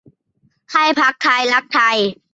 ให้พรรคไทยรักไทย